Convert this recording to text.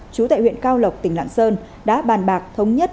chú tại huyện cao lộc tỉnh lạng sơn đã bàn bạc thống nhất